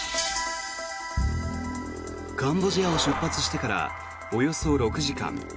カンボジアを出発してからおよそ６時間。